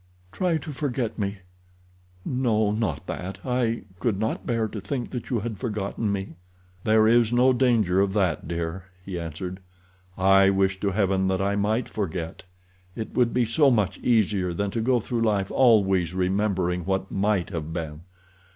"Try to forget me—no, not that—I could not bear to think that you had forgotten me." "There is no danger of that, dear," he answered. "I wish to Heaven that I might forget. It would be so much easier than to go through life always remembering what might have been.